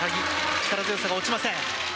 力強さが落ちません。